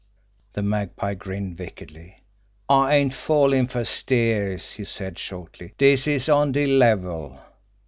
The Magpie grinned wickedly. "I ain't fallin' fer steers!" he said shortly. "Dis is on de level."